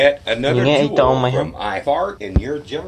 Ниңә әйтә алмайһың?